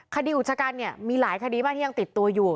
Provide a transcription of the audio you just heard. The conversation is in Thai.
คดีอุจจักรเนี้ยมีหลายคดีบ้างที่ยังติดตัวอยู่